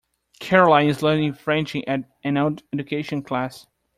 Caroline is learning French at an adult education class